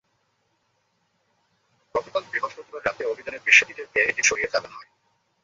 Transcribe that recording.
গতকাল বৃহস্পতিবার রাতে অভিযানের বিষয়টি টের পেয়ে এটি সরিয়ে ফেলা হয়।